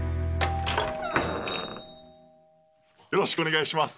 よろしくお願いします！